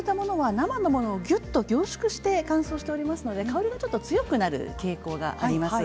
生のものをぎゅっと凝縮して乾燥しておりますので香りがちょっと強くなる傾向があります。